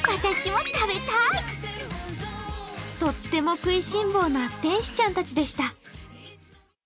とっても食いしん坊な天使ちゃんたちでした。